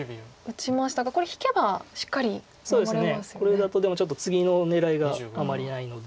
これだとでもちょっと次の狙いがあまりないので。